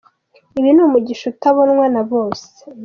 Ibi ni umugisha utabonwa na bose.